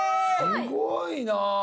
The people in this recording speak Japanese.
すごいなぁ。